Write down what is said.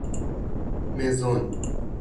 مزون